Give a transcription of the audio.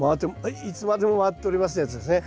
「いつまでも回っております」のやつですね。